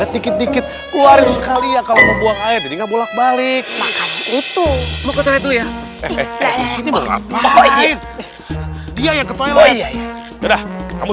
dikit dikit keluar sekali ya kalau membuang airnya bolak balik maka itu mau ke sana tuh